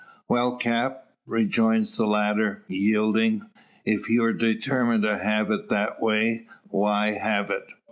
"Well, cap," rejoins the latter, yielding, "if you're determined to have it that way, why, have it.